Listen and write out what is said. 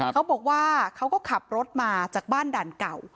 เขาบอกว่าเขาก็ขับรถมาจากบ้านด่านเก่า